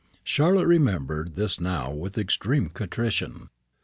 Charlotte remembered this now with extreme contrition.